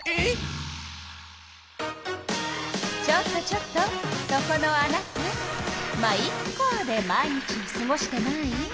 ちょっとちょっとそこのあなた「ま、イッカ」で毎日をすごしてない？